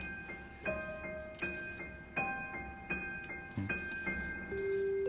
うん？